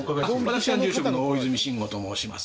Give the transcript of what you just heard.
私が住職の大泉信吾と申します。